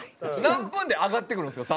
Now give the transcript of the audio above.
何分で上がってくるんですか？